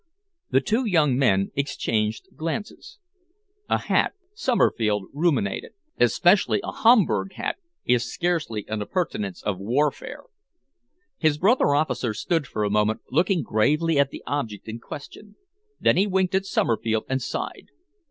The two young men exchanged glances. "A hat," Somerfield ruminated, "especially a Homburg hat, is scarcely an appurtenance of warfare." His brother officer stood for a moment looking gravely at the object in question. Then he winked at Somerfield and sighed.